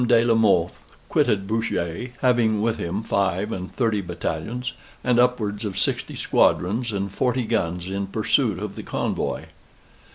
de la Mothe quitted Bruges, having with him five and thirty battalions, and upwards of sixty squadrons and forty guns, in pursuit of the convoy.